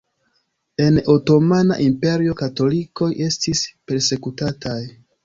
En Otomana Imperio katolikoj estis persekutataj.